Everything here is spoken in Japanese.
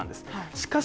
しかし